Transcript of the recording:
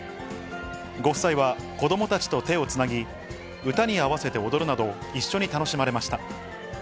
ご夫妻は子どもたちと手をつなぎ、歌に合わせて踊るなど、一緒に楽しまれました。